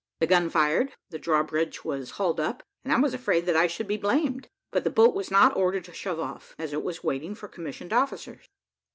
The gun fired, the drawbridge was hauled up, and I was afraid that I should be blamed; but the boat was not ordered to shove off, as it was waiting for commissioned officers.